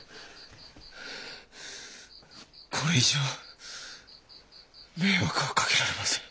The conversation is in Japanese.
これ以上迷惑はかけられません。